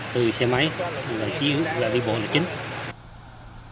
từ xe máy lời chiếu